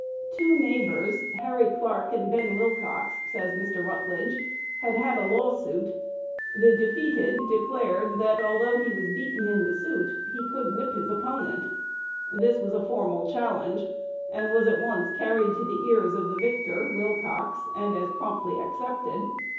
"Two neighbors, Harry Clark and Ben Wilcox," says Mr. Rutledge, "had had a lawsuit. The defeated declared, that, although he was beaten in the suit, he could whip his opponent. This was a formal challenge, and was at once carried to the ears of the victor (Wilcox), and as promptly accepted.